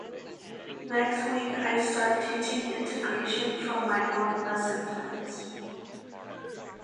Next week I start teaching integration from my own lesson plans.